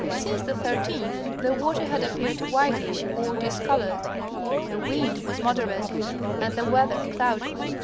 Since the 13th the water had appeared whitish or discolored. The wind was moderate and the weather cloudy.